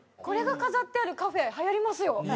これが飾ってあるカフェ流行りますよ。